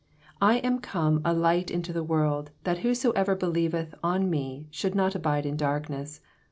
46 I am oome a light into the world that whosoever believeth on me should not abide in darkness.